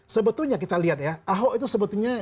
sebetulnya kita lihat ya ahok itu sebetulnya